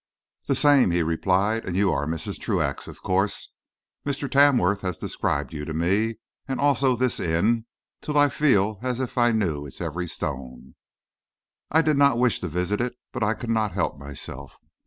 "The same," he replied; "and you are Mrs. Truax, of course. Mr. Tamworth has described you to me, also this inn, till I feel as if I knew its every stone. I did not wish to visit it, but I could not help myself.